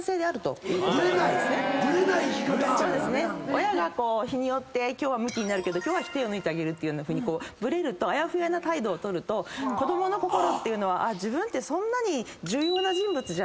親が日によって今日はムキになるけど今日は手を抜いてあげるというふうにあやふやな態度を取ると子供の心っていうのは自分ってそんなに重要な人物じゃないのかもしれない。